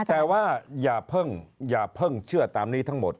แต่ว่าอย่าเพิ่งเชื่อตามนี้ทั้งหมด